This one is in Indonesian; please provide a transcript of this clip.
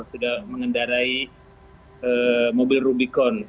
sudah mengendarai mobil rubicon